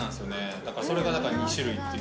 だからそれがだから２種類っていう。